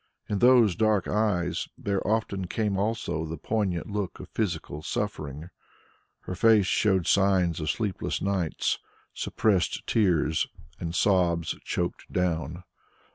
In those dark eyes there often came also the poignant look of physical suffering; her face showed signs of sleepless nights, suppressed tears and sobs choked down.